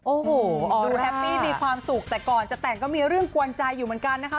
โอ้โหดูแฮปปี้มีความสุขแต่ก่อนจะแต่งก็มีเรื่องกวนใจอยู่เหมือนกันนะคะ